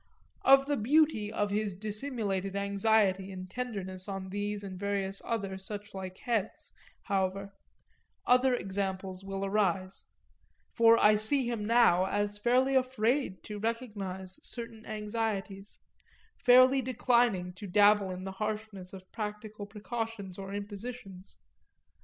Of the beauty of his dissimulated anxiety and tenderness on these and various other suchlike heads, however, other examples will arise; for I see him now as fairly afraid to recognise certain anxieties, fairly declining to dabble in the harshness of practical precautions or impositions.